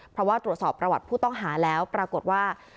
เพราะว่าตรวจสอบประวัติผู้ต้องหาแล้วปรากฏว่า